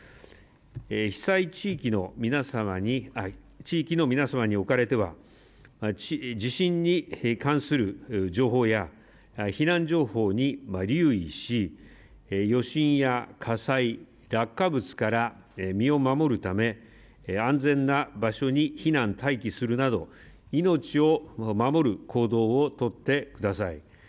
被災地域の皆様、地域の皆様におかれては地震に関する情報や避難情報に留意し、余震や火災、落下物から身を守るため安全な場所に避難、待機するなど命を守る行動を取ってください。